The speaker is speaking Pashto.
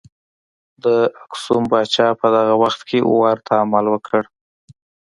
د اکسوم پاچا په دغه وخت کې ورته عمل وکړ.